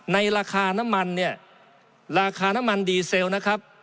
ในราคาน้ำมันเนี่ยราคาน้ำมันดีเซลนะครับ